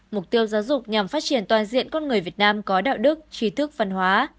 mục tiêu giáo dục nhằm phát triển toàn diện con người việt nam có đạo đức trí thức văn hóa